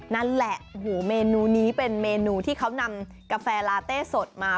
นั่นแหละเมนูนี้เป็นเมนูที่เขานำกาแฟลาเต้สดมา